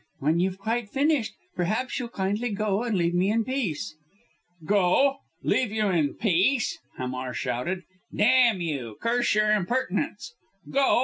"When you've quite finished, perhaps you'll kindly go and leave me in peace." "Go! Leave you in peace!" Hamar shouted. "Damn you, curse your impertinence! Go!